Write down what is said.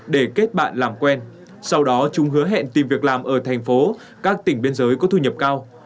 để kết bạn làm quen sau đó chúng hứa hẹn tìm việc làm ở thành phố các tỉnh biên giới có thu nhập cao